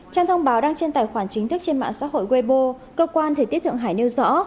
trong thông báo đăng trên tài khoản chính thức trên mạng xã hội webo cơ quan thời tiết thượng hải nêu rõ